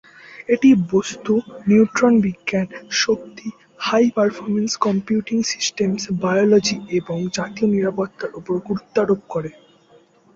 এটি বস্তু, নিউট্রন বিজ্ঞান, শক্তি, হাই-পারফরম্যান্স কম্পিউটিং, সিস্টেমস বায়োলজি এবং জাতীয় নিরাপত্তার উপর গুরুত্বারোপ করে।